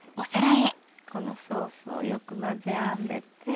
このソースをよく混ぜ合わせて。